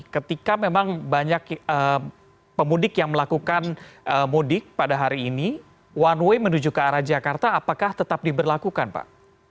ketika memang banyak pemudik yang melakukan mudik pada hari ini one way menuju ke arah jakarta apakah tetap diberlakukan pak